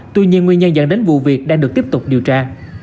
tuy nhiên nguyên nhân dẫn đến vụ việc đang được tiếp tục điều tra